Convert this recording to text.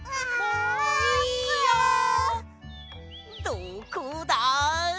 どこだ？